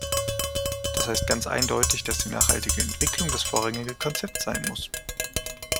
Das heißt ganz eindeutig, dass die nachhaltige Entwicklung das vorrangige Konzept sein muss.